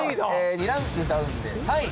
２ランクダウンで３位！